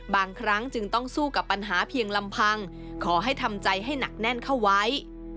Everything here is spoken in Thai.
บางครั้งจึงต้องสู้กับปัญหาเพียงลำพังขอให้ทำใจให้หนักแน่นเข้าไว้